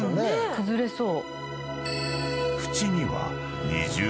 崩れそう。